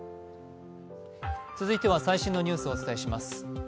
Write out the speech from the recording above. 続いては最新のニュースをお伝えします。